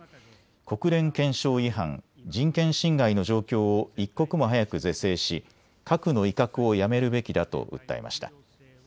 国連憲章違反、人権侵害の状況を一刻も早く是正し核の威嚇をやめるべきだと訴えました。